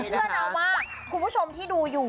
เชื่อนะว่าคุณผู้ชมที่ดูอยู่